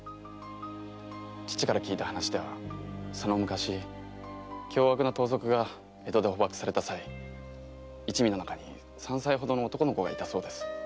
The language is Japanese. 義父から聞いた話ではその昔凶悪な盗賊が江戸で捕縛された際一味の中に三歳ほどの男の子がいたそうです。